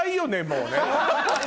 もうね。